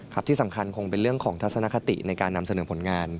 ที่สำคัญคงเป็นเรื่องของทัศนคติในการนำเสนอผลงาน